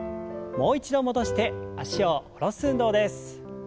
もう一度戻して脚を下ろす運動です。